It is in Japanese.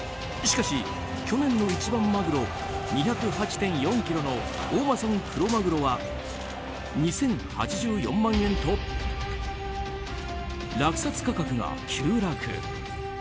しかし、去年の一番マグロ２０８．４ｋｇの大間産クロマグロは２０８４万円と落札価格が急落。